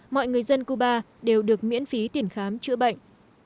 mọi người dân cuba đều được miễn phí tiền khám chữa bệnh